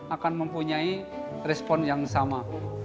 akan mempunyai respon yang sama